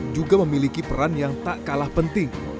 juga memiliki peran yang tak kalah penting